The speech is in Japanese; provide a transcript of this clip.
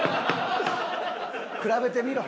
比べてみろ。